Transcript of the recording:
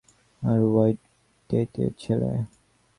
আর white ডেথের ছেলে?